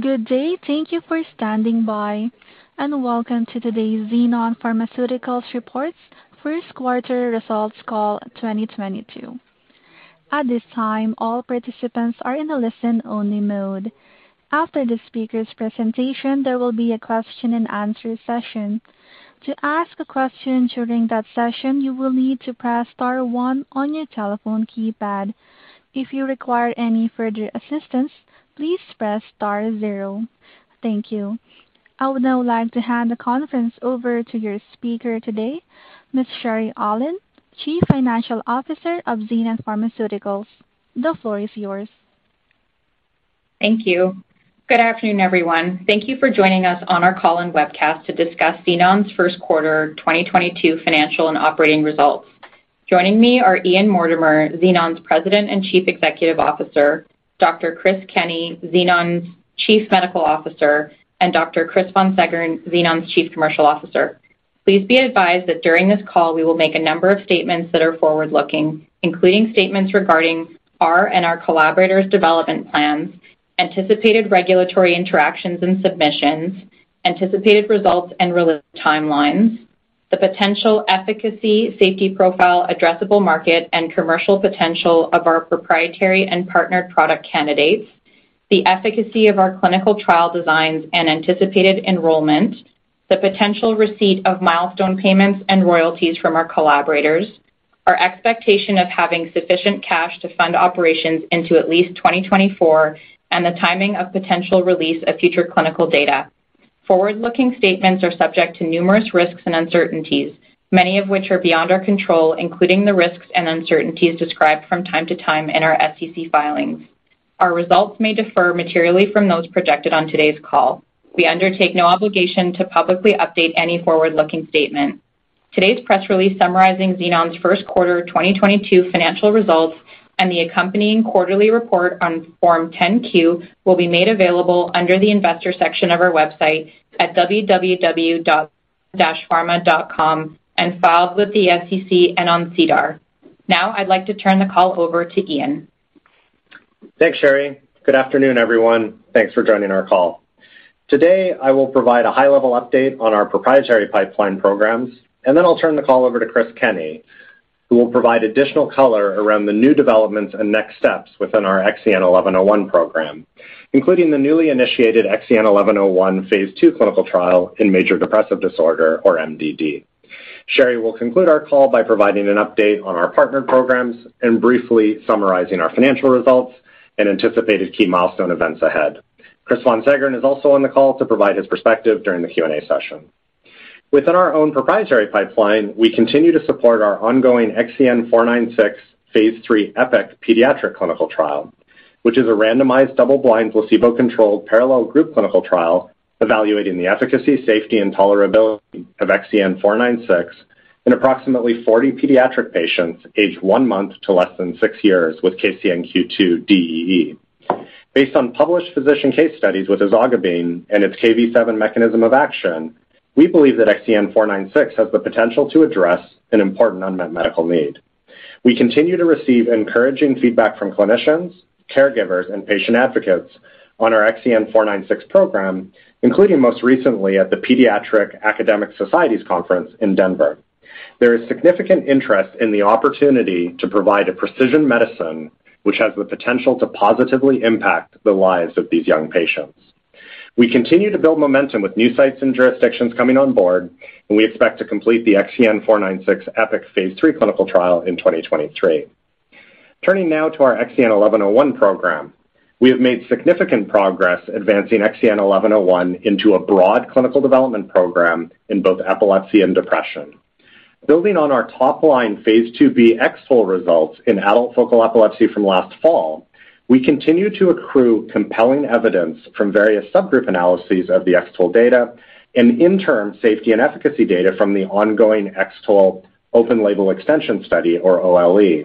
Good day. Thank you for standing by, and welcome to today's Xenon Pharmaceuticals Reports First Quarter Results Call 2022. At this time, all participants are in a listen-only mode. After the speaker's presentation, there will be a question and answer session. To ask a question during that session, you will need to press star one on your telephone keypad. If you require any further assistance, please press star zero. Thank you. I would now like to hand the conference over to your speaker today, Ms. Sherry Aulin, Chief Financial Officer of Xenon Pharmaceuticals. The floor is yours. Thank you. Good afternoon, everyone. Thank you for joining us on our call and webcast to discuss Xenon's first quarter 2022 financial and operating results. Joining me are Ian Mortimer, Xenon's President and Chief Executive Officer, Dr. Chris Kenney, Xenon's Chief Medical Officer, and Dr. Chris von Seggern, Xenon's Chief Commercial Officer. Please be advised that during this call we will make a number of statements that are forward-looking, including statements regarding our and our collaborators' development plans, anticipated regulatory interactions and submissions, anticipated results and release timelines, the potential efficacy, safety profile, addressable market, and commercial potential of our proprietary and partnered product candidates, the efficacy of our clinical trial designs and anticipated enrollment, the potential receipt of milestone payments and royalties from our collaborators, our expectation of having sufficient cash to fund operations into at least 2024, and the timing of potential release of future clinical data. Forward-looking statements are subject to numerous risks and uncertainties, many of which are beyond our control, including the risks and uncertainties described from time to time in our SEC filings. Our results may differ materially from those projected on today's call. We undertake no obligation to publicly update any forward-looking statement. Today's press release summarizing Xenon's first quarter of 2022 financial results and the accompanying quarterly report on Form 10-Q will be made available under the investor section of our website at www.xenon-pharma.com and filed with the SEC and on SEDAR. Now I'd like to turn the call over to Ian. Thanks, Sherry. Good afternoon, everyone. Thanks for joining our call. Today, I will provide a high-level update on our proprietary pipeline programs, and then I'll turn the call over to Chris Kenney, who will provide additional color around the new developments and next steps within our XEN1101 program, including the newly initiated XEN1101 phase II clinical trial in major depressive disorder or MDD. Sherry will conclude our call by providing an update on our partnered programs and briefly summarizing our financial results and anticipated key milestone events ahead. Chris von Seggern is also on the call to provide his perspective during the Q&A session. Within our own proprietary pipeline, we continue to support our ongoing XEN496 phase III EPIC pediatric clinical trial, which is a randomized, double-blind, placebo-controlled parallel group clinical trial evaluating the efficacy, safety, and tolerability of XEN496 in approximately 40 pediatric patients aged 1 month to less than 6 years with KCNQ2-DEE. Based on published physician case studies with ezogabine and its Kv7 mechanism of action, we believe that XEN496 has the potential to address an important unmet medical need. We continue to receive encouraging feedback from clinicians, caregivers, and patient advocates on our XEN496 program, including most recently at the Pediatric Academic Societies conference in Denver. There is significant interest in the opportunity to provide a precision medicine which has the potential to positively impact the lives of these young patients. We continue to build momentum with new sites and jurisdictions coming on board, and we expect to complete the XEN496 EPIC phase III clinical trial in 2023. Turning now to our XEN1101 program. We have made significant progress advancing XEN1101 into a broad clinical development program in both epilepsy and depression. Building on our top-line phase IIb X-TOLE results in adult focal epilepsy from last fall, we continue to accrue compelling evidence from various subgroup analyses of the X-TOLE data and interim safety and efficacy data from the ongoing X-TOLE open-label extension study or OLE.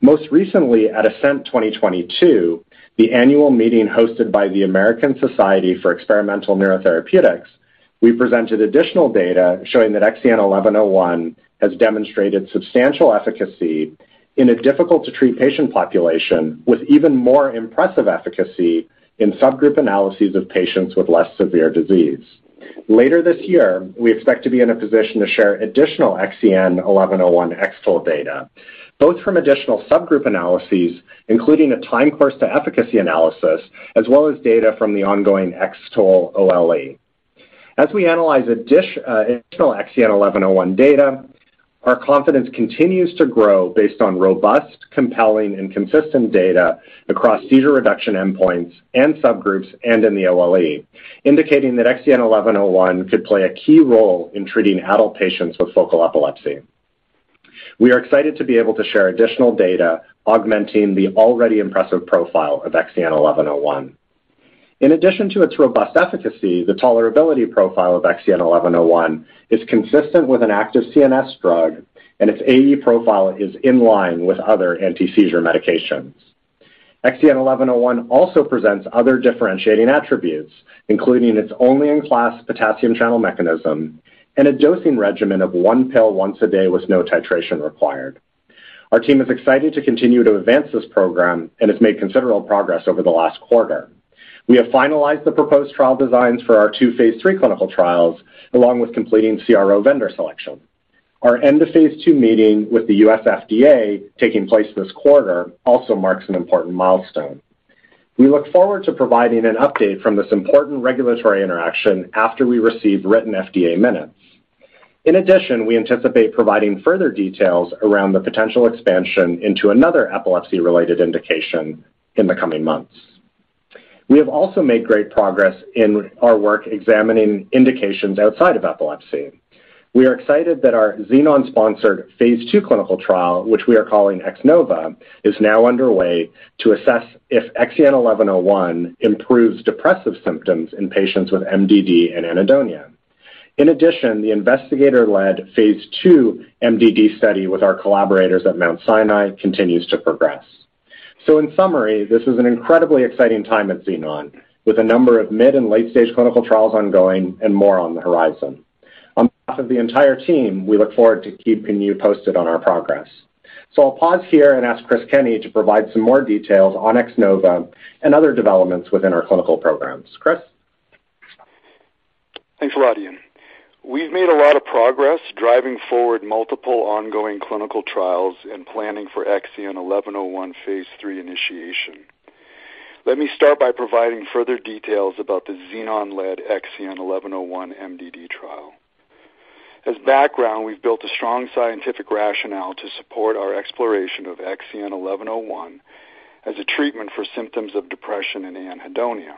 Most recently at ASCENT 2022, the annual meeting hosted by the American Society for Experimental Neurotherapeutics, we presented additional data showing that XEN1101 has demonstrated substantial efficacy in a difficult to treat patient population with even more impressive efficacy in subgroup analyses of patients with less severe disease. Later this year, we expect to be in a position to share additional XEN1101 X-TOLE data, both from additional subgroup analyses, including a time course to efficacy analysis, as well as data from the ongoing X-TOLE OLE. As we analyze additional XEN1101 data, our confidence continues to grow based on robust, compelling, and consistent data across seizure reduction endpoints and subgroups and in the OLE, indicating that XEN1101 could play a key role in treating adult patients with focal epilepsy. We are excited to be able to share additional data augmenting the already impressive profile of XEN1101. In addition to its robust efficacy, the tolerability profile of XEN1101 is consistent with an active CNS drug, and its AE profile is in line with other anti-seizure medications. XEN1101 also presents other differentiating attributes, including its only-in-class potassium channel mechanism and a dosing regimen of one pill once a day with no titration required. Our team is excited to continue to advance this program and has made considerable progress over the last quarter. We have finalized the proposed trial designs for our two phase III clinical trials, along with completing CRO vendor selection. Our end of phase II meeting with the US FDA taking place this quarter also marks an important milestone. We look forward to providing an update from this important regulatory interaction after we receive written FDA minutes. In addition, we anticipate providing further details around the potential expansion into another epilepsy-related indication in the coming months. We have also made great progress in our work examining indications outside of epilepsy. We are excited that our Xenon-sponsored phase II clinical trial, which we are calling X-NOVA, is now underway to assess if XEN1101 improves depressive symptoms in patients with MDD and anhedonia. In addition, the investigator-led phase II MDD study with our collaborators at Mount Sinai continues to progress. In summary, this is an incredibly exciting time at Xenon with a number of mid- and late-stage clinical trials ongoing and more on the horizon. On behalf of the entire team, we look forward to keeping you posted on our progress. I'll pause here and ask Chris Kenney to provide some more details on X-NOVA and other developments within our clinical programs. Chris. Thanks a lot, Ian. We've made a lot of progress driving forward multiple ongoing clinical trials and planning for XEN1101 phase III initiation. Let me start by providing further details about the Xenon-led XEN1101 MDD trial. As background, we've built a strong scientific rationale to support our exploration of XEN1101 as a treatment for symptoms of depression and anhedonia.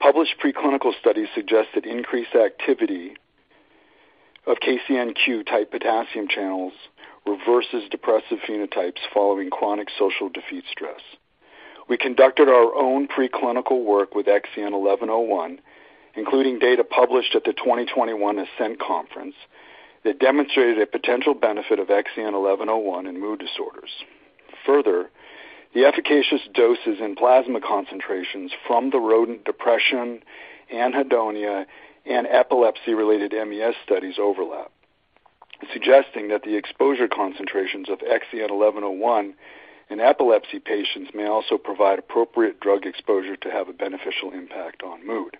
Published preclinical studies suggest that increased activity of KCNQ type potassium channels reverses depressive phenotypes following chronic social defeat stress. We conducted our own preclinical work with XEN1101, including data published at the 2021 ASCENT Conference that demonstrated a potential benefit of XEN1101 in mood disorders. Further, the efficacious doses in plasma concentrations from the rodent depression, anhedonia, and epilepsy-related MES studies overlap, suggesting that the exposure concentrations of XEN1101 in epilepsy patients may also provide appropriate drug exposure to have a beneficial impact on mood.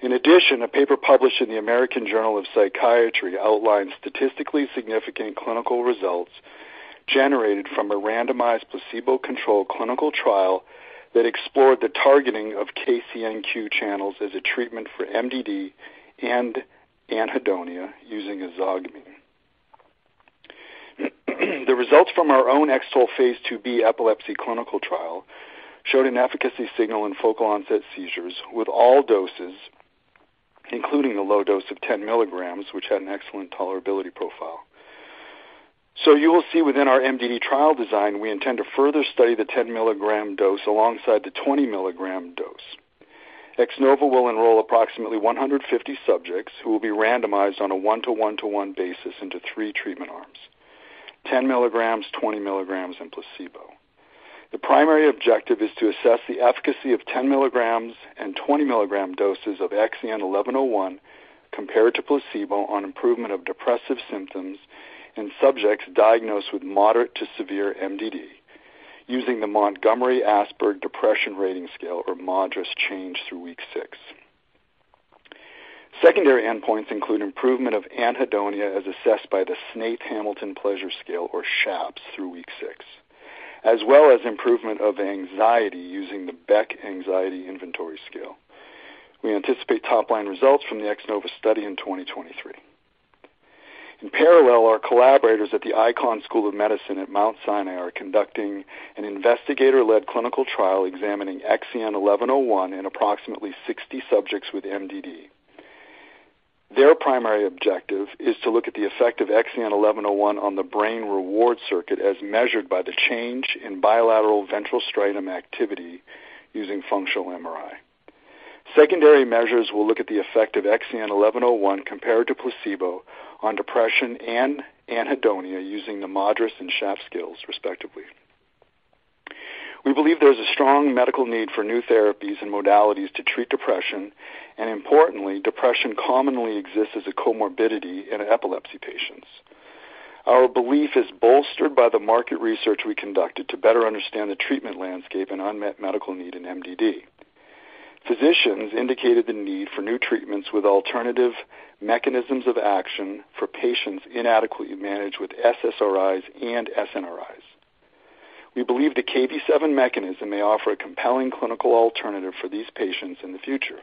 In addition, a paper published in the American Journal of Psychiatry outlines statistically significant clinical results generated from a randomized placebo-controlled clinical trial that explored the targeting of KCNQ channels as a treatment for MDD and anhedonia using ezogabine. The results from our own X-TOLE phase IIb epilepsy clinical trial showed an efficacy signal in focal onset seizures with all doses, including the low dose of 10 mg, which had an excellent tolerability profile. You will see within our MDD trial design, we intend to further study the 10-mg dose alongside the 20-mg dose. X-NOVA will enroll approximately 150 subjects who will be randomized on a one-to-one-to-one basis into three treatment arms, 10 milligrams, 20 milligrams, and placebo. The primary objective is to assess the efficacy of 10 milligrams and 20 milligram doses of XEN1101 compared to placebo on improvement of depressive symptoms in subjects diagnosed with moderate to severe MDD using the Montgomery–Åsberg Depression Rating Scale or MADRS change through week six. Secondary endpoints include improvement of anhedonia as assessed by the Snaith-Hamilton Pleasure Scale or SHAPS through week six, as well as improvement of anxiety using the Beck Anxiety Inventory scale. We anticipate top-line results from the X-NOVA study in 2023. In parallel, our collaborators at the Icahn School of Medicine at Mount Sinai are conducting an investigator-led clinical trial examining XEN1101 in approximately 60 subjects with MDD. Their primary objective is to look at the effect of XEN1101 on the brain reward circuit as measured by the change in bilateral ventral striatum activity using functional MRI. Secondary measures will look at the effect of XEN1101 compared to placebo on depression and anhedonia using the MADRS and SHAPS scales, respectively. We believe there's a strong medical need for new therapies and modalities to treat depression, and importantly, depression commonly exists as a comorbidity in epilepsy patients. Our belief is bolstered by the market research we conducted to better understand the treatment landscape and unmet medical need in MDD. Physicians indicated the need for new treatments with alternative mechanisms of action for patients inadequately managed with SSRIs and SNRIs. We believe the Kv7 mechanism may offer a compelling clinical alternative for these patients in the future.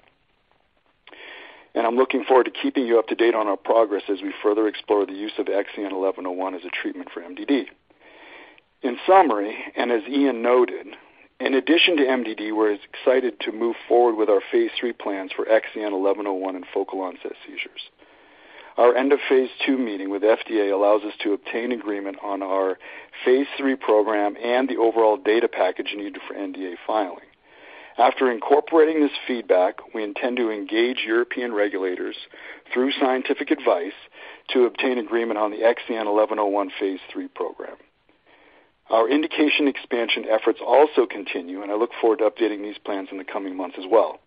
I'm looking forward to keeping you up to date on our progress as we further explore the use of XEN1101 as a treatment for MDD. In summary, and as Ian noted, in addition to MDD, we're excited to move forward with our phase III plans for XEN1101 in focal onset seizures. Our end-of-phase II meeting with FDA allows us to obtain agreement on our phase III program and the overall data package needed for NDA filing. After incorporating this feedback, we intend to engage European regulators through scientific advice to obtain agreement on the XEN1101 phase III program. Our indication expansion efforts also continue, and I look forward to updating these plans in the coming months as well.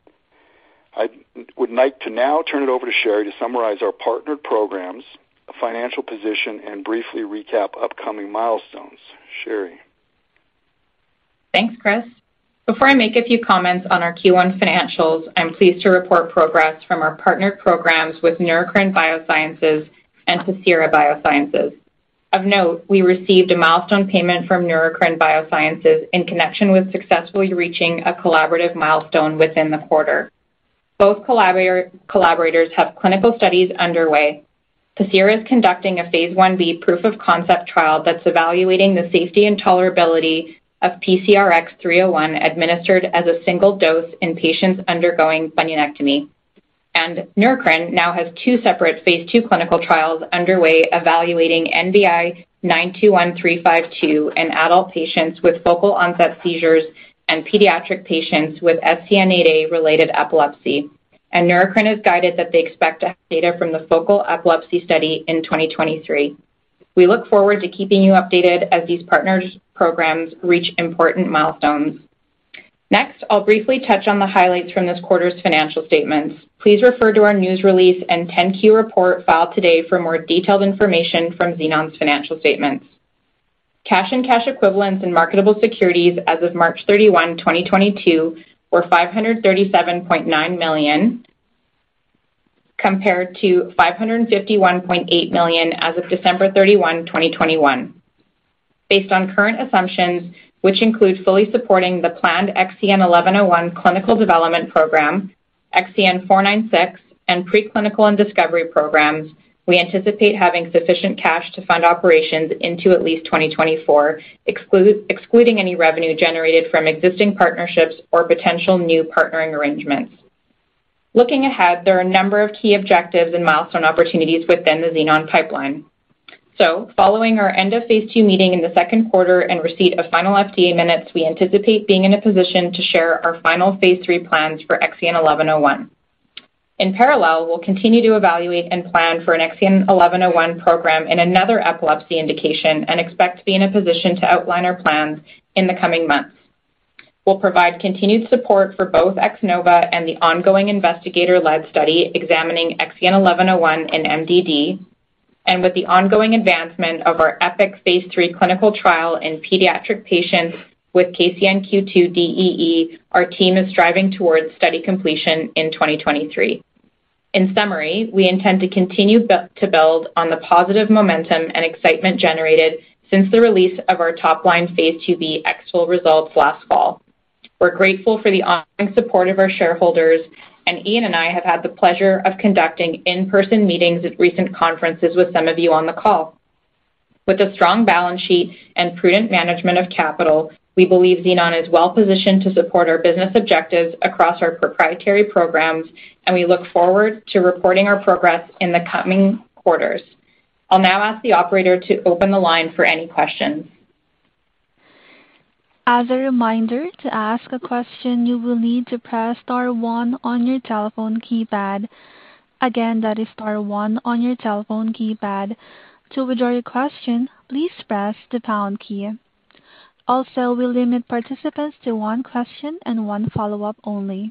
I would like to now turn it over to Sherry to summarize our partnered programs, financial position, and briefly recap upcoming milestones. Sherry? Thanks, Chris. Before I make a few comments on our Q1 financials, I'm pleased to report progress from our partnered programs with Neurocrine Biosciences and Pacira BioSciences. Of note, we received a milestone payment from Neurocrine Biosciences in connection with successfully reaching a collaborative milestone within the quarter. Both collaborators have clinical studies underway. Pacira is conducting a phase Ib proof-of-concept trial that's evaluating the safety and tolerability of PCRX-301 administered as a single dose in patients undergoing bunionectomy. Neurocrine now has two separate phase II clinical trials underway evaluating NBI-921352 in adult patients with focal-onset seizures and pediatric patients with SCN8A-related epilepsy. Neurocrine has guided that they expect to have data from the focal epilepsy study in 2023. We look forward to keeping you updated as these partners' programs reach important milestones. Next, I'll briefly touch on the highlights from this quarter's financial statements. Please refer to our news release and 10-Q report filed today for more detailed information from Xenon's financial statements. Cash and cash equivalents and marketable securities as of March 31, 2022 were $537.9 million, compared to $551.8 million as of December 31, 2021. Based on current assumptions, which include fully supporting the planned XEN1101 clinical development program, XEN496, and preclinical and discovery programs, we anticipate having sufficient cash to fund operations into at least 2024, excluding any revenue generated from existing partnerships or potential new partnering arrangements. Looking ahead, there are a number of key objectives and milestone opportunities within the Xenon pipeline. Following our end-of-phase II meeting in the second quarter and receipt of final FDA minutes, we anticipate being in a position to share our final phase III plans for XEN1101. In parallel, we'll continue to evaluate and plan for an XEN1101 program in another epilepsy indication and expect to be in a position to outline our plans in the coming months. We'll provide continued support for both X-NOVA and the ongoing investigator-led study examining XEN1101 in MDD. With the ongoing advancement of our EPIC phase III clinical trial in pediatric patients with KCNQ2-DEE, our team is striving towards study completion in 2023. In summary, we intend to continue to build on the positive momentum and excitement generated since the release of our top-line phase IIb X-TOLE results last fall. We're grateful for the ongoing support of our shareholders, and Ian and I have had the pleasure of conducting in-person meetings at recent conferences with some of you on the call. With a strong balance sheet and prudent management of capital, we believe Xenon is well-positioned to support our business objectives across our proprietary programs, and we look forward to reporting our progress in the coming quarters. I'll now ask the operator to open the line for any questions. As a reminder, to ask a question, you will need to press star one on your telephone keypad. Again, that is star one on your telephone keypad. To withdraw your question, please press the pound key. Also, we'll limit participants to one question and one follow-up only.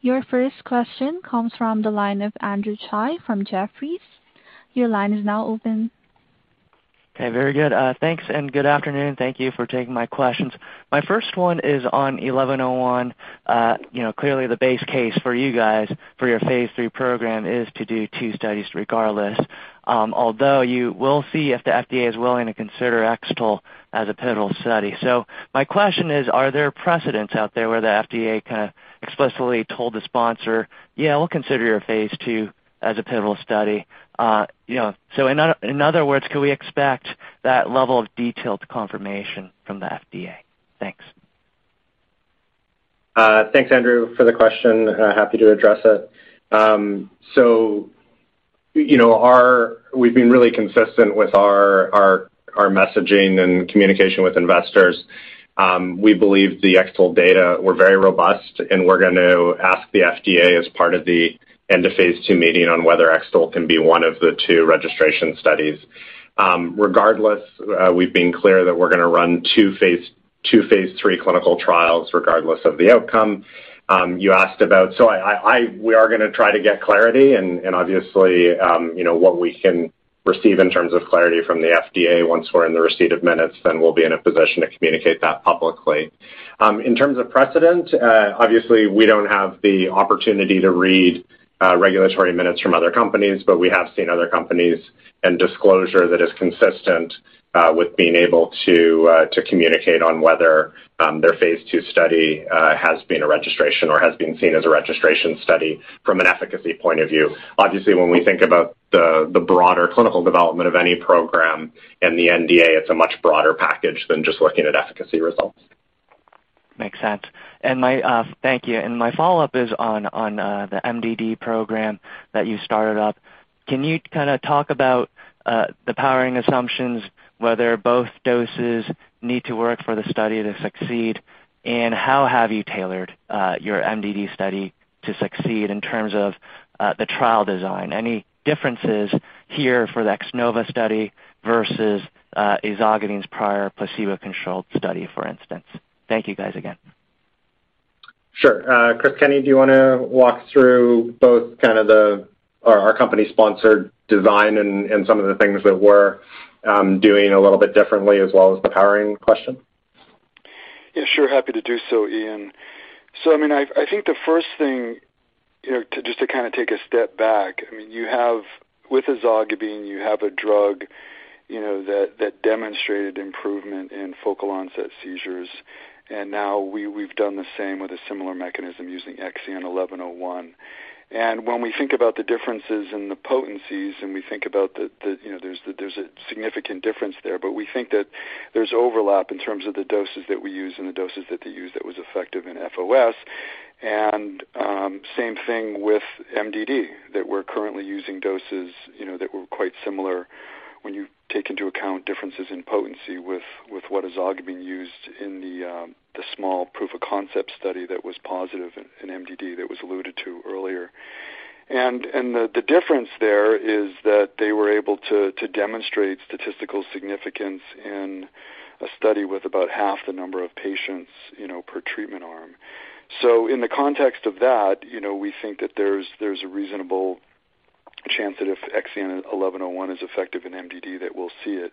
Your first question comes from the line of Andrew Tsai from Jefferies. Your line is now open. Okay, very good. Thanks, and good afternoon. Thank you for taking my questions. My first one is on 1101. You know, clearly the base case for you guys for your phase III program is to do two studies regardless, although you will see if the FDA is willing to consider X-TOLE as a pivotal study. My question is, are there precedents out there where the FDA kind of explicitly told the sponsor, "Yeah, we'll consider your phase II as a pivotal study." You know, in other words, can we expect that level of detailed confirmation from the FDA? Thanks. Thanks, Andrew, for the question. Happy to address it. You know, we've been really consistent with our messaging and communication with investors. We believe the X-TOLE data were very robust, and we're going to ask the FDA as part of the end-of-phase II meeting on whether X-TOLE can be one of the two registration studies. Regardless, we've been clear that we're going to run two phase III clinical trials regardless of the outcome. You asked about. We are going to try to get clarity and obviously, you know, what we can receive in terms of clarity from the FDA once we're in the receipt of minutes, then we'll be in a position to communicate that publicly. In terms of precedent, obviously, we don't have the opportunity to read regulatory minutes from other companies, but we have seen other companies and disclosure that is consistent with being able to communicate on whether their phase II study has been a registration or has been seen as a registration study from an efficacy point of view. Obviously, when we think about the broader clinical development of any program in the NDA, it's a much broader package than just looking at efficacy results. Makes sense. Thank you. My follow-up is on the MDD program that you started up. Can you kind of talk about the powering assumptions, whether both doses need to work for the study to succeed, and how have you tailored your MDD study to succeed in terms of the trial design? Any differences here for the X-NOVA study versus ezogabine's prior placebo-controlled study, for instance? Thank you guys again. Sure. Chris Kenney, do you want to walk through both kind of our company sponsored design and some of the things that we're doing a little bit differently as well as the powering question? Yeah, sure. Happy to do so, Ian. I mean, I think the first thing, you know, to just kind of take a step back. I mean, you have with ezogabine, you have a drug, you know, that demonstrated improvement in focal onset seizures. Now we've done the same with a similar mechanism using XEN1101. When we think about the differences in the potencies, we think about the, you know, there's a significant difference there. We think that there's overlap in terms of the doses that we use and the doses that they use that was effective in FOS. Same thing with MDD, that we're currently using doses, you know, that were quite similar when you take into account differences in potency with what ezogabine used in the small proof-of-concept study that was positive in MDD that was alluded to earlier. The difference there is that they were able to demonstrate statistical significance in a study with about half the number of patients, you know, per treatment arm. In the context of that, you know, we think that there's a reasonable chance that if XEN1101 is effective in MDD that we'll see it.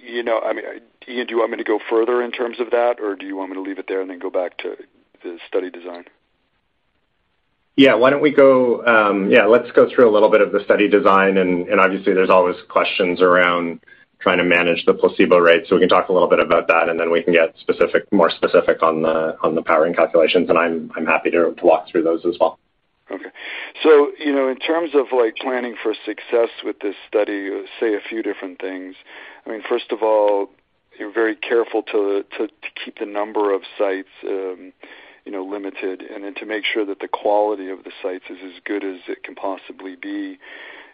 You know, I mean, Ian, do you want me to go further in terms of that, or do you want me to leave it there and then go back to the study design? Let's go through a little bit of the study design and obviously there's always questions around trying to manage the placebo rate, so we can talk a little bit about that, and then we can get more specific on the powering calculations. I'm happy to walk through those as well. Okay. You know, in terms of, like, planning for success with this study, say a few different things. I mean, first of all, you're very careful to keep the number of sites, you know, limited and then to make sure that the quality of the sites is as good as it can possibly be.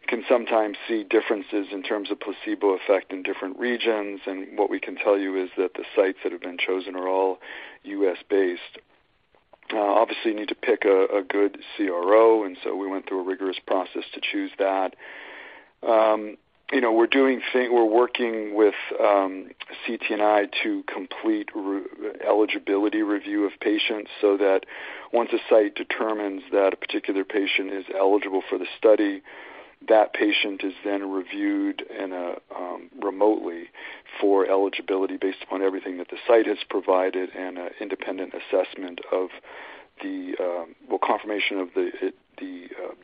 Can sometimes see differences in terms of placebo effect in different regions. What we can tell you is that the sites that have been chosen are all U.S.-based. Obviously you need to pick a good CRO, and so we went through a rigorous process to choose that. You know, we're working with CTNI to complete eligibility review of patients so that once a site determines that a particular patient is eligible for the study, that patient is then reviewed remotely for eligibility based upon everything that the site has provided and an independent assessment. Well, confirmation of the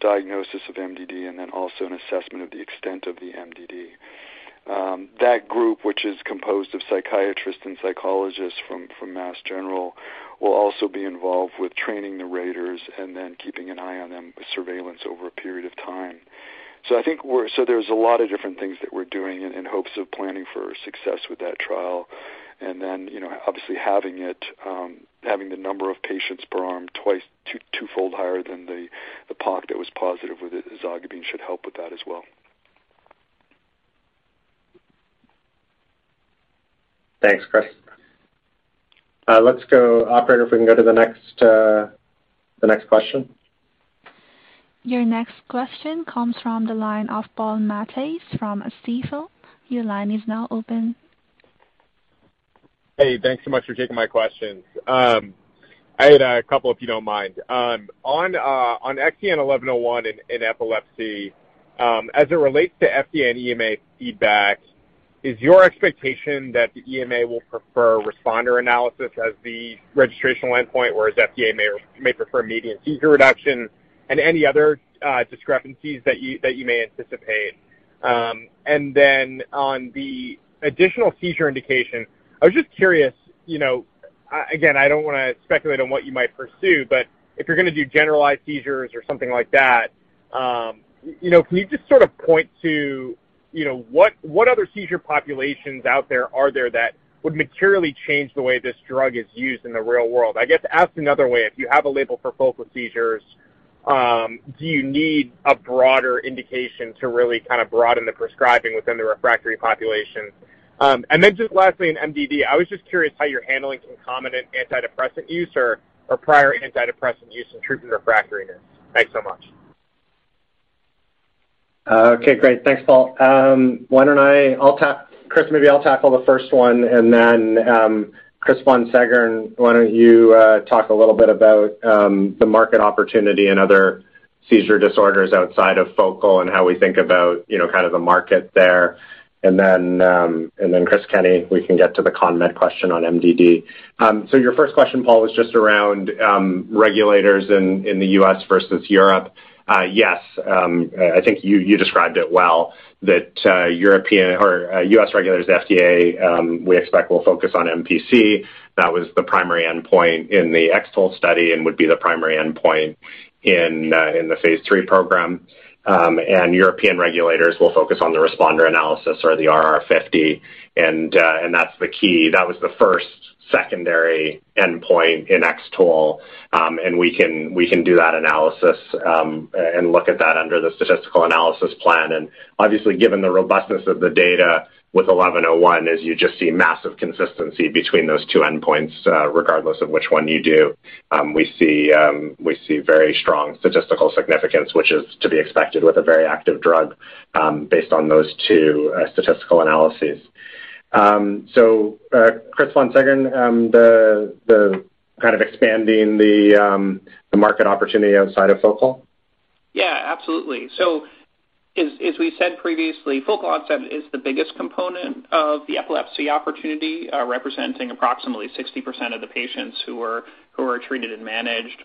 diagnosis of MDD and then also an assessment of the extent of the MDD. That group, which is composed of psychiatrists and psychologists from Mass General, will also be involved with training the raters and then keeping an eye on them with surveillance over a period of time. There's a lot of different things that we're doing in hopes of planning for success with that trial. You know, obviously having the number of patients per arm twofold higher than the POC that was positive with ezogabine should help with that as well. Thanks, Chris. Let's go. Operator, if we can go to the next question. Your next question comes from the line of Paul Matteis from Stifel. Your line is now open. Hey, thanks so much for taking my questions. I had a couple, if you don't mind. On XEN1101 in epilepsy, as it relates to FDA and EMA feedback, is your expectation that the EMA will prefer responder analysis as the registrational endpoint, whereas FDA may or may prefer median seizure reduction and any other discrepancies that you may anticipate? On the additional seizure indication, I was just curious, you know, again, I don't want to speculate on what you might pursue, but if you're going to do generalized seizures or something like that, you know, can you just sort of point to, you know, what other seizure populations out there that would materially change the way this drug is used in the real world? I guess asked another way, if you have a label for focal seizures, do you need a broader indication to really kind of broaden the prescribing within the refractory population? Just lastly in MDD, I was just curious how you're handling concomitant antidepressant use or prior antidepressant use in treatment-refractory MDD. Thanks so much. Okay. Great. Thanks, Paul. Why don't I tackle the first one, and then Chris Von Seggern, why don't you talk a little bit about the market opportunity and other seizure disorders outside of focal and how we think about, you know, kind of the market there. And then Chris Kenney, we can get to the con med question on MDD. Your first question, Paul, was just around regulators in the U.S. versus Europe. Yes, I think you described it well that EMA or U.S. regulators, FDA, we expect will focus on MPC. That was the primary endpoint in the X-TOLE study and would be the primary endpoint in the phase III program. European regulators will focus on the responder analysis or the RR50, and that's the key. That was the first secondary endpoint in X-TOLE. We can do that analysis and look at that under the statistical analysis plan. Obviously, given the robustness of the data with XEN1101, you just see massive consistency between those two endpoints, regardless of which one you do. We see very strong statistical significance, which is to be expected with a very active drug, based on those two statistical analyses. Chris Von Seggern, the kind of expanding the market opportunity outside of focal. Yeah, absolutely. As we said previously, focal onset is the biggest component of the epilepsy opportunity, representing approximately 60% of the patients who are treated and managed.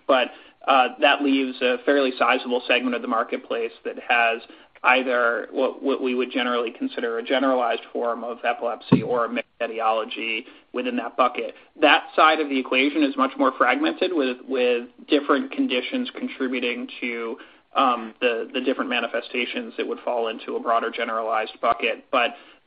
That leaves a fairly sizable segment of the marketplace that has either what we would generally consider a generalized form of epilepsy or a mixed etiology within that bucket. That side of the equation is much more fragmented with different conditions contributing to the different manifestations that would fall into a broader generalized bucket.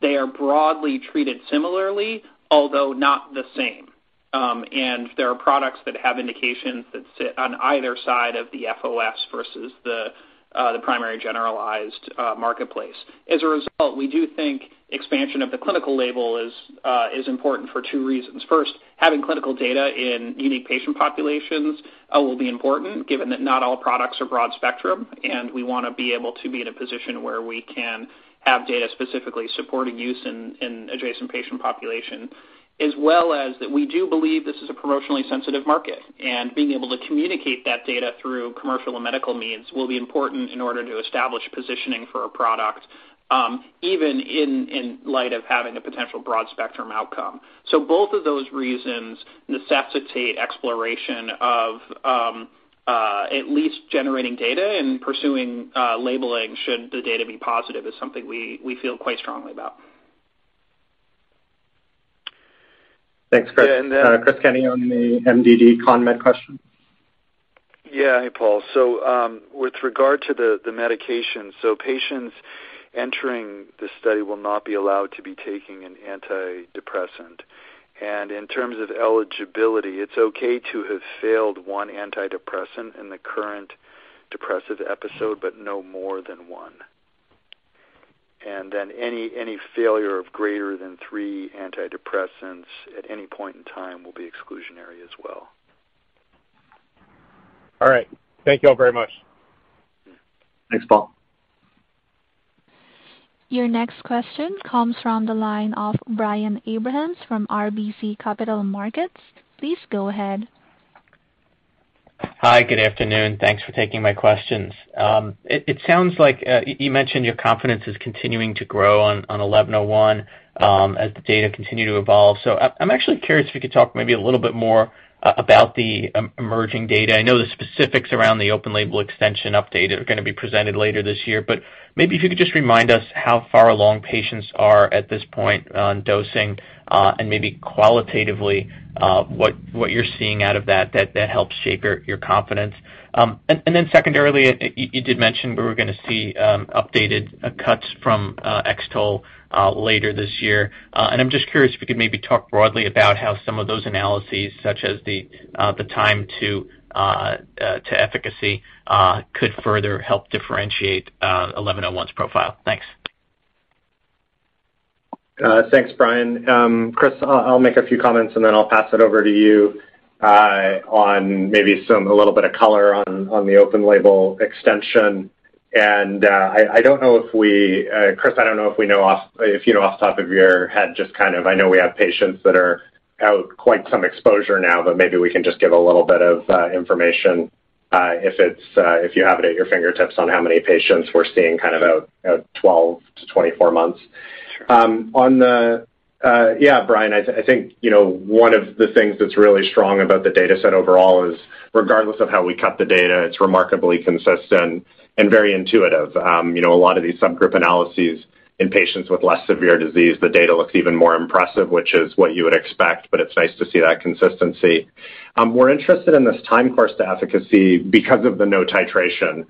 They are broadly treated similarly, although not the same. There are products that have indications that sit on either side of the FOS versus the primary generalized marketplace. As a result, we do think expansion of the clinical label is important for two reasons. First, having clinical data in unique patient populations will be important given that not all products are broad-spectrum, and we want to be able to be in a position where we can have data specifically supporting use in adjacent patient population. As well as that we do believe this is a promotionally sensitive market, and being able to communicate that data through commercial and medical means will be important in order to establish positioning for a product, even in light of having a potential broad-spectrum outcome. Both of those reasons necessitate exploration of at least generating data and pursuing labeling should the data be positive is something we feel quite strongly about. Thanks, Chris. And then- Chris Kenney on the MDD CONMED question. Yeah. Hey, Paul. With regard to the medication, patients entering the study will not be allowed to be taking an antidepressant. In terms of eligibility, it's okay to have failed one antidepressant in the current depressive episode, but no more than one. Then any failure of greater than three antidepressants at any point in time will be exclusionary as well. All right. Thank you all very much. Thanks, Paul. Your next question comes from the line of Brian Abrahams from RBC Capital Markets. Please go ahead. Hi, good afternoon. Thanks for taking my questions. It sounds like you mentioned your confidence is continuing to grow on XEN1101 as the data continue to evolve. I'm actually curious if you could talk maybe a little bit more about the emerging data. I know the specifics around the open label extension update are going to be presented later this year, but maybe if you could just remind us how far along patients are at this point on dosing and maybe qualitatively what you're seeing out of that that helps shape your confidence. And then secondarily, you did mention we were going to see updated cuts from X-TOLE later this year. I'm just curious if you could maybe talk broadly about how some of those analyses, such as the time to efficacy, could further help differentiate 1101's profile. Thanks. Thanks, Brian. Chris, I'll make a few comments, and then I'll pass it over to you on maybe some a little bit of color on the open label extension. Chris, I don't know if you know off the top of your head, just kind of I know we have patients that are out quite some exposure now, but maybe we can just give a little bit of information if you have it at your fingertips on how many patients we're seeing kind of out 12-24 months. Yeah, Brian, I think, you know, one of the things that's really strong about the dataset overall is regardless of how we cut the data, it's remarkably consistent and very intuitive. You know, a lot of these subgroup analyses in patients with less severe disease, the data looks even more impressive, which is what you would expect, but it's nice to see that consistency. We're interested in this time course to efficacy because of the no titration.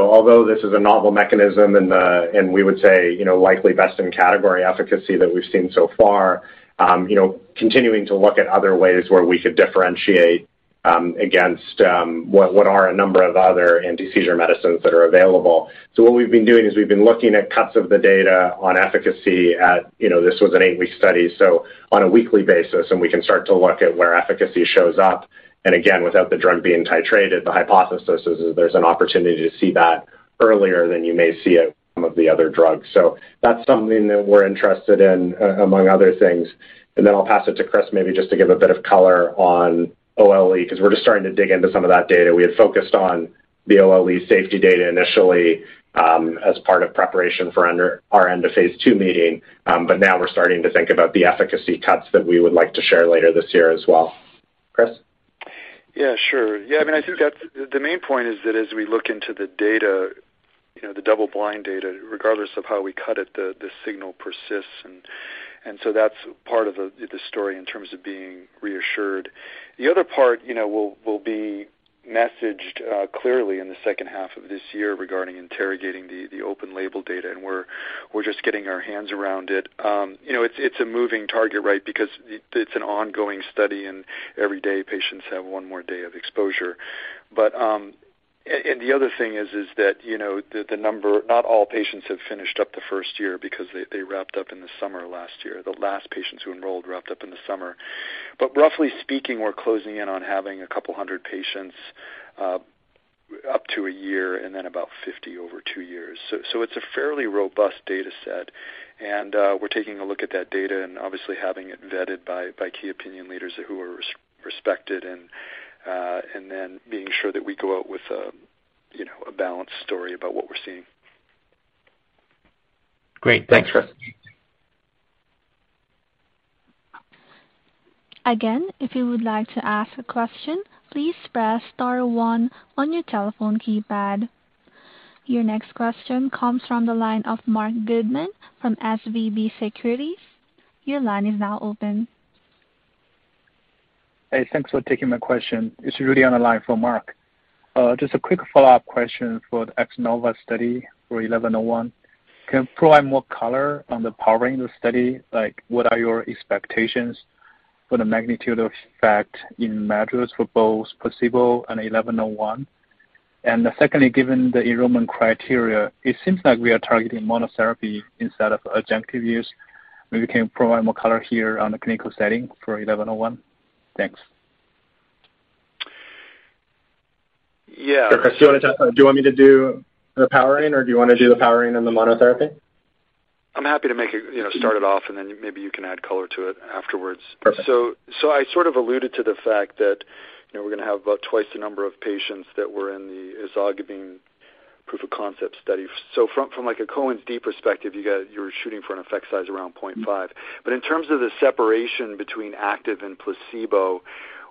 Although this is a novel mechanism and we would say, you know, likely best in category efficacy that we've seen so far, you know, continuing to look at other ways where we could differentiate against what are a number of other anti-seizure medicines that are available. What we've been doing is we've been looking at cuts of the data on efficacy at, you know, this was an 8-week study, so on a weekly basis, and we can start to look at where efficacy shows up. Again, without the drug being titrated, the hypothesis is there's an opportunity to see that earlier than you may see it with some of the other drugs. That's something that we're interested in among other things. I'll pass it to Chris maybe just to give a bit of color on OLE 'cause we're just starting to dig into some of that data. We had focused on the OLE safety data initially, as part of preparation for our end-of-phase II meeting. Now we're starting to think about the efficacy cuts that we would like to share later this year as well. Chris? Yeah, sure. Yeah, I mean, I think that's. The main point is that as we look into the data, you know, the double-blind data, regardless of how we cut it, the signal persists. So that's part of the story in terms of being reassured. The other part, you know, will be messaged clearly in the second half of this year regarding interrogating the open label data, and we're just getting our hands around it. You know, it's a moving target, right? Because it's an ongoing study, and every day patients have one more day of exposure. The other thing is that, you know, the number. Not all patients have finished up the first year because they wrapped up in the summer last year. The last patients who enrolled wrapped up in the summer. Roughly speaking, we're closing in on having 200 patients up to a year and then about 50 or 2 years. It's a fairly robust data set, and we're taking a look at that data and obviously having it vetted by key opinion leaders who are respected and then being sure that we go out with a, you know, a balanced story about what we're seeing. Great. Thanks, Chris. Again, if you would like to ask a question, please press star one on your telephone keypad. Your next question comes from the line of Marc Goodman from SVB Securities. Your line is now open. Hey, thanks for taking my question. It's Rudy on the line for Marc. Just a quick follow-up question for the X-NOVA study for XEN1101. Can you provide more color on the powering the study? Like, what are your expectations for the magnitude of effect in measures for both placebo and XEN1101? And secondly, given the enrollment criteria, it seems like we are targeting monotherapy instead of adjunctive use. Maybe you can provide more color here on the clinical setting for XEN1101. Thanks. Yeah. Do you want me to do the powering, or do you want to do the powering and the monotherapy? I'm happy to make it, you know, start it off, and then maybe you can add color to it afterwards. Perfect. I sort of alluded to the fact that, you know, we're going to have about twice the number of patients that were in the ezogabine proof-of-concept study. From, like, a Cohen's d perspective, you're shooting for an effect size around 0.5. But in terms of the separation between active and placebo,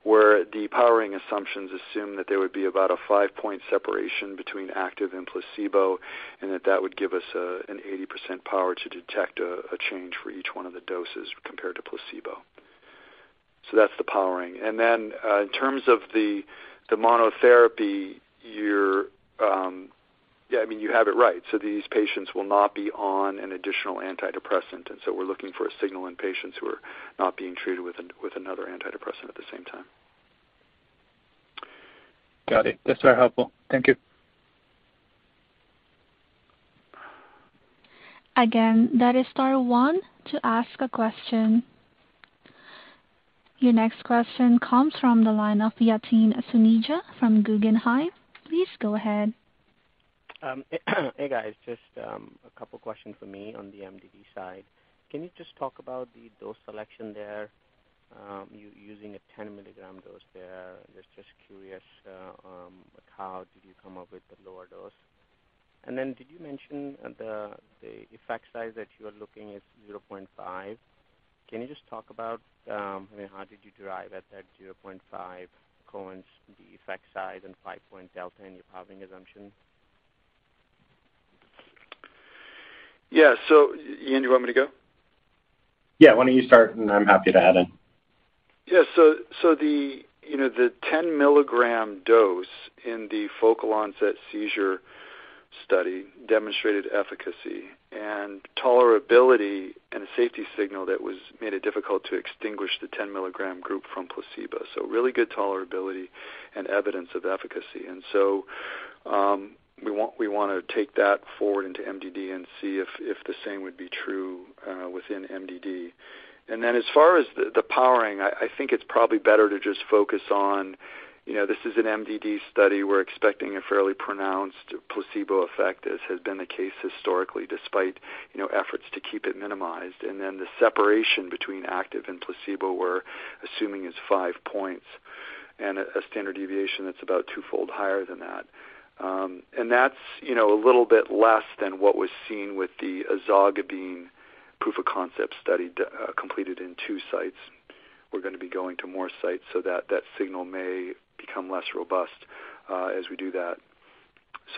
where the powering assumptions assume that there would be about a five-point separation between active and placebo, and that would give us an 80% power to detect a change for each one of the doses compared to placebo. That's the powering. Then, in terms of the monotherapy, you're... Yeah, I mean, you have it right. These patients will not be on an additional antidepressant, and so we're looking for a signal in patients who are not being treated with another antidepressant at the same time. Got it. That's very helpful. Thank you. Again, that is star one to ask a question. Your next question comes from the line of Yatin Suneja from Guggenheim. Please go ahead. Hey, guys. Just a couple questions from me on the MDD side. Can you just talk about the dose selection there, using a 10-milligram dose there? Just curious, how did you come up with the lower dose? Then did you mention the effect size that you are looking is 0.5? Can you just talk about, I mean, how did you arrive at that 0.5 Cohen's d effect size and five-point delta in your powering assumption? Yeah. Ian, do you want me to go? Yeah. Why don't you start, and I'm happy to add in. Yeah. The 10-milligram dose in the focal onset seizure study demonstrated efficacy and tolerability and a safety signal that was made it difficult to extinguish the 10-milligram group from placebo. Really good tolerability and evidence of efficacy. We want to take that forward into MDD and see if the same would be true within MDD. As far as the powering, I think it's probably better to just focus on, you know, this is an MDD study. We're expecting a fairly pronounced placebo effect, as has been the case historically, despite, you know, efforts to keep it minimized. The separation between active and placebo, we're assuming is 5 points and a standard deviation that's about twofold higher than that. That's, you know, a little bit less than what was seen with the ezogabine proof-of-concept study completed in two sites. We're going to be going to more sites so that signal may become less robust, as we do that.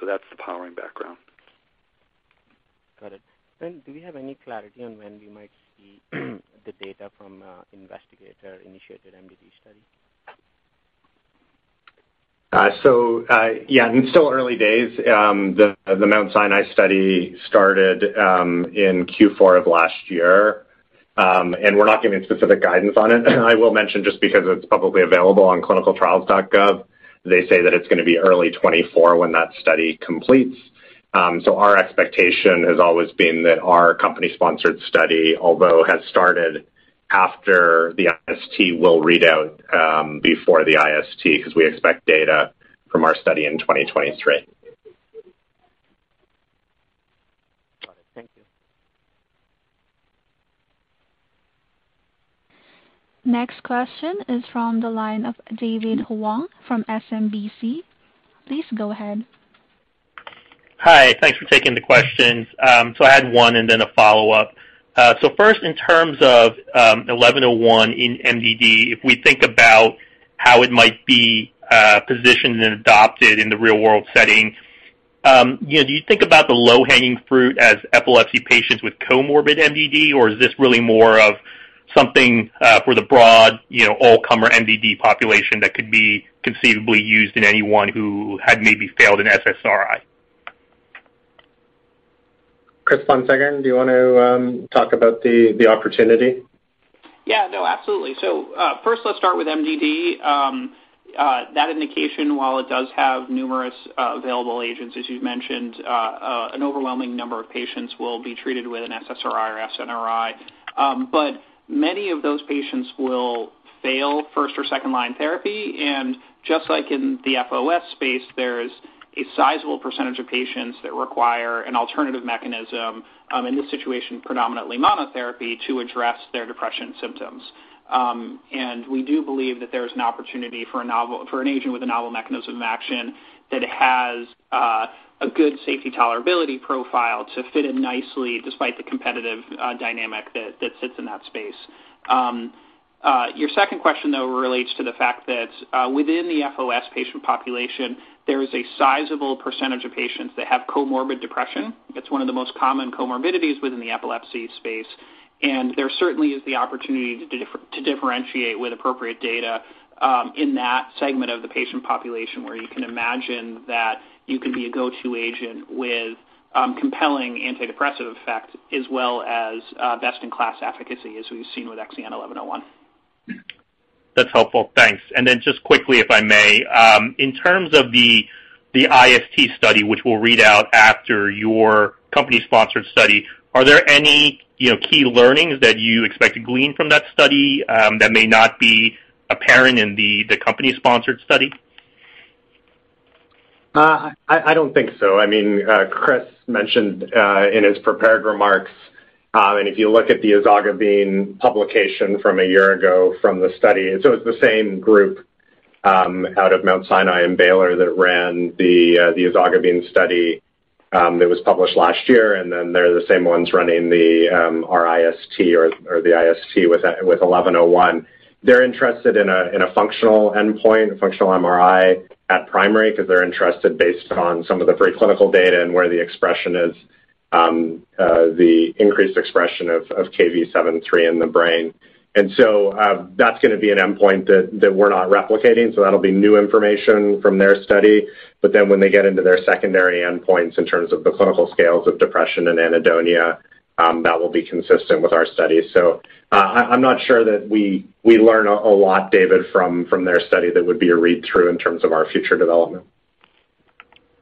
That's the powering background. Got it. Do we have any clarity on when we might see the data from investigator-initiated MDD study? Yeah, I mean, still early days. The Mount Sinai study started in Q4 of last year. We're not giving specific guidance on it. I will mention just because it's publicly available on ClinicalTrials.gov, they say that it's going to be early 2024 when that study completes. Our expectation has always been that our company-sponsored study, although has started after the IST, will read out before the IST 'cause we expect data from our study in 2023. Got it. Thank you. Next question is from the line of David Hoang from SMBC. Please go ahead. Hi. Thanks for taking the questions. I had one and then a follow-up. First in terms of 1101 in MDD, if we think about how it might be positioned and adopted in the real-world setting, you know, do you think about the low-hanging fruit as epilepsy patients with comorbid MDD, or is this really more of something for the broad, you know, all-comer MDD population that could be conceivably used in anyone who had maybe failed an SSRI? Chris, one second. Do you want to talk about the opportunity? Yeah. No, absolutely. First let's start with MDD. That indication, while it does have numerous available agents, as you've mentioned, an overwhelming number of patients will be treated with an SSRI or SNRI. Many of those patients will fail first or second-line therapy, and just like in the FOS space, there's A sizable percentage of patients that require an alternative mechanism, in this situation, predominantly monotherapy, to address their depression symptoms. We do believe that there is an opportunity for an agent with a novel mechanism of action that has a good safety tolerability profile to fit in nicely despite the competitive dynamic that sits in that space. Your second question, though, relates to the fact that within the FOS patient population, there is a sizable percentage of patients that have comorbid depression. It's one of the most common comorbidities within the epilepsy space. There certainly is the opportunity to differentiate with appropriate data in that segment of the patient population where you can imagine that you can be a go-to agent with compelling antidepressant effect as well as best-in-class efficacy, as we've seen with XEN1101. That's helpful. Thanks. Just quickly, if I may. In terms of the IST study, which we'll read out after your company-sponsored study, are there any, you know, key learnings that you expect to glean from that study, that may not be apparent in the company-sponsored study? I don't think so. I mean, Chris mentioned in his prepared remarks, and if you look at the ezogabine publication from a year ago from the study. It's the same group out of Mount Sinai and Baylor that ran the ezogabine study that was published last year, and then they're the same ones running our IST or the IST with eleven oh one. They're interested in a functional endpoint, functional MRI at primary 'cause they're interested based on some of the preclinical data and where the expression is, the increased expression of Kv7.3 in the brain. That's going to be an endpoint that we're not replicating, so that'll be new information from their study. When they get into their secondary endpoints in terms of the clinical scales of depression and anhedonia, that will be consistent with our study. I'm not sure that we learn a lot, David, from their study that would be a read-through in terms of our future development.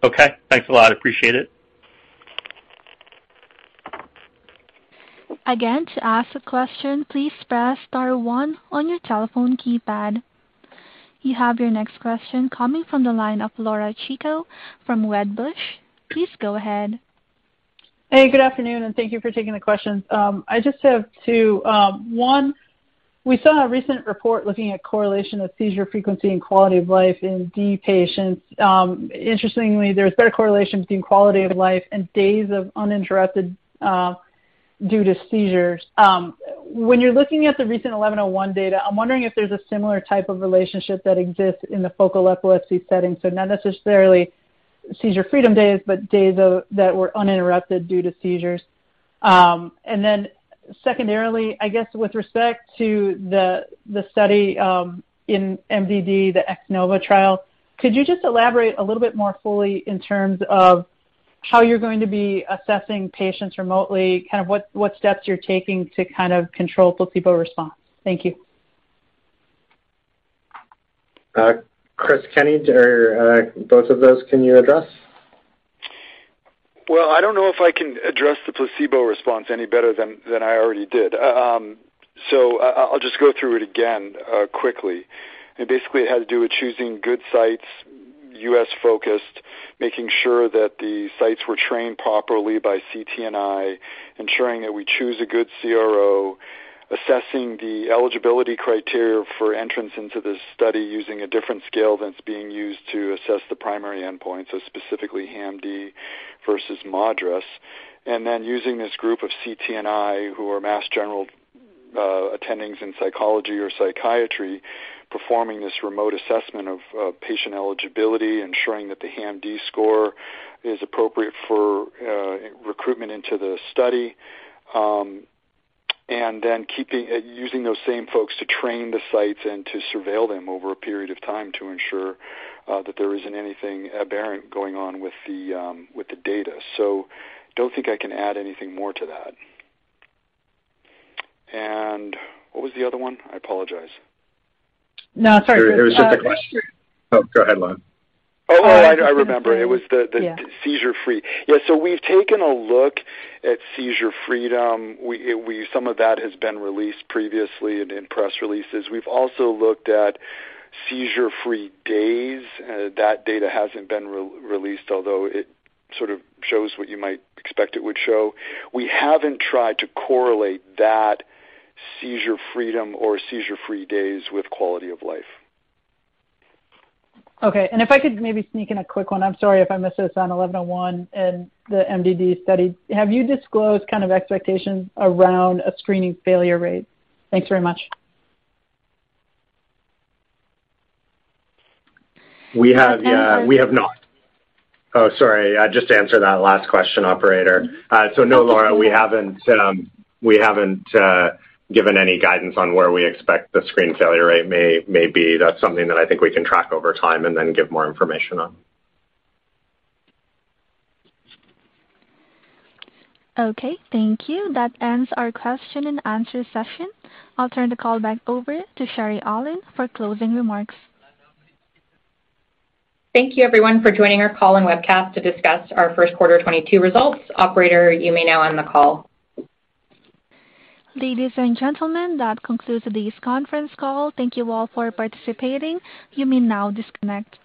Okay. Thanks a lot. Appreciate it. Again, to ask a question, please press star one on your telephone keypad. You have your next question coming from the line of Laura Chico from Wedbush. Please go ahead. Hey, good afternoon, and thank you for taking the questions. I just have two. One, we saw a recent report looking at correlation of seizure frequency and quality of life in DEE patients. Interestingly, there's better correlation between quality of life and days of uninterrupted due to seizures. When you're looking at the recent XEN1101 data, I'm wondering if there's a similar type of relationship that exists in the focal epilepsy setting, so not necessarily seizure freedom days, but days that were uninterrupted due to seizures. Secondarily, I guess with respect to the study in MDD, the X-NOVA trial, could you just elaborate a little bit more fully in terms of how you're going to be assessing patients remotely, kind of what steps you're taking to kind of control placebo response? Thank you. Dr. Chris Kenney, both of those, can you address? Well, I don't know if I can address the placebo response any better than I already did. I'll just go through it again, quickly. Basically, it had to do with choosing good sites, U.S.-focused, making sure that the sites were trained properly by CTNI, ensuring that we choose a good CRO, assessing the eligibility criteria for entrance into this study using a different scale that's being used to assess the primary endpoints, so specifically HAM-D versus MADRS. Using this group of CTNI, who are Mass General attendings in psychology or psychiatry, performing this remote assessment of patient eligibility, ensuring that the HAM-D score is appropriate for recruitment into the study. Keeping... Using those same folks to train the sites and to surveil them over a period of time to ensure that there isn't anything aberrant going on with the data. Don't think I can add anything more to that. What was the other one? I apologize. No, sorry. It was just a question. Oh, go ahead, Laura. I remember. Yeah. It was the seizure-free. Yeah, we've taken a look at seizure freedom. Some of that has been released previously in press releases. We've also looked at seizure-free days. That data hasn't been released, although it sort of shows what you might expect it would show. We haven't tried to correlate that seizure freedom or seizure-free days with quality of life. Okay. If I could maybe sneak in a quick one. I'm sorry if I missed this on XEN1101 and the MDD study. Have you disclosed kind of expectations around a screening failure rate? Thanks very much. Just to answer that last question, operator. No, Laura, we haven't given any guidance on where we expect the screen failure rate may be. That's something that I think we can track over time and then give more information on. Okay. Thank you. That ends our question and answer session. I'll turn the call back over to Sherry Aulin for closing remarks. Thank you, everyone, for joining our call and webcast to discuss our first quarter 2022 results. Operator, you may now end the call. Ladies and gentlemen, that concludes this conference call. Thank you all for participating. You may now disconnect.